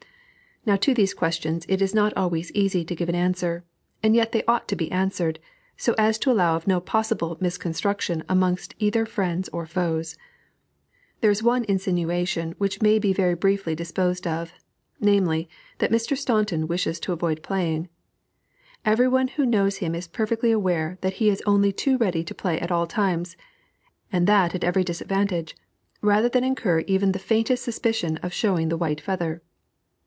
Now to these questions it is not always easy to give an answer, and yet they ought to be answered, so as to allow of no possible misconstruction amongst either friends or foes. There is one insinuation which may be very briefly disposed of, namely, that Mr. Staunton wishes to avoid playing. Every one who knows him is perfectly aware that he is only too ready to play at all times, and that at every disadvantage, rather than incur even the faintest suspicion of showing the white feather.